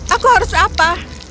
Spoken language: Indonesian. aku harus apa